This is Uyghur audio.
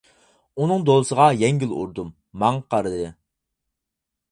ئۇنىڭ دولىسىغا يەڭگىل ئۇردۇم، ماڭا قارىدى.